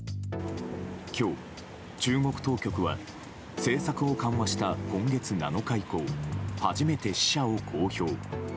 今日、中国当局は政策を緩和した今月７日以降初めて死者を公表。